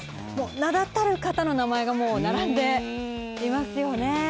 名だたる方の名前がもう並んでいますよね。